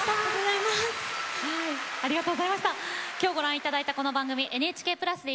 今日ご覧いただいたこの番組は、ＮＨＫプラスで